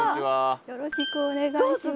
よろしくお願いします。